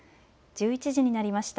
１１時になりました。